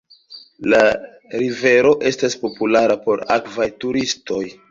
La rivero estas populara por akvaj turistoj.